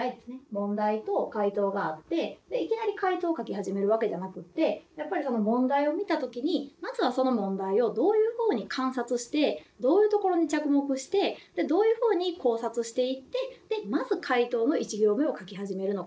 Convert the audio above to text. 問題と解答があっていきなり解答を書き始めるわけじゃなくてやっぱり問題を見た時にまずはその問題をどういうふうに観察してどういう所に着目してどういうふうに考察していってまず解答の１行目を書き始めるのか？